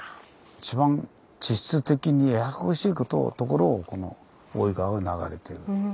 一番地質的にややこしいところをこの大井川は流れてる。